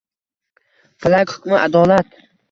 Falak hukmi — adolat.